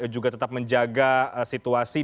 juga tetap menjaga situasi